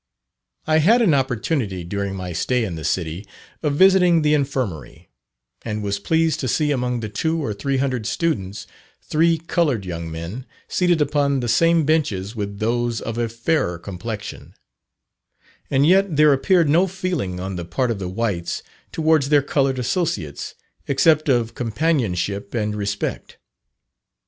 I had an opportunity during my stay in the city, of visiting the Infirmary, and was pleased to see among the two or three hundred students, three coloured young men, seated upon the same benches with those of a fairer complexion, and yet there appeared no feeling on the part of the whites towards their coloured associates, except of companionship and respect.